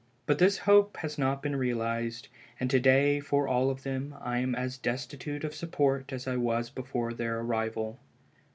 But this hope has not been realized, and to day, for all of them, I am as destitute of support as I was before their arrival.